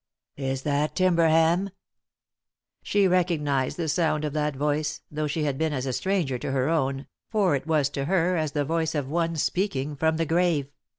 " Is that Timberham ?" She recognised the sound of that voice, though she had been as a stranger to her own, for it was to her as the voice of one speaking from the grave.